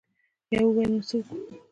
يوه وويل: نو څه وکو؟